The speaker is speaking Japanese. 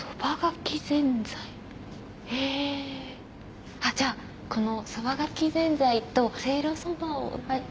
へぇじゃあこのそばがきぜんざいとせいろそばを。